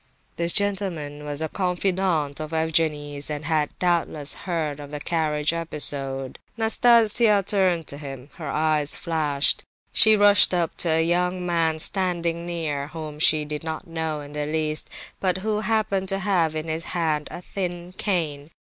This gentleman was a confidant of Evgenie's, and had doubtless heard of the carriage episode. Nastasia turned to him. Her eyes flashed; she rushed up to a young man standing near, whom she did not know in the least, but who happened to have in his hand a thin cane.